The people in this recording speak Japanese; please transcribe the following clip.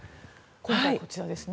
今回、こちらですね。